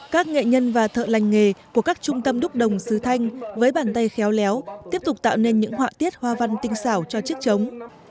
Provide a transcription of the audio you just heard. các nghệ nhân và thợ lành nghề của các trung tâm đúc đồng sứ thanh với bàn tay khéo léo tiếp tục tạo nên những họa tiết hoa văn tinh xảo cho chiếc trống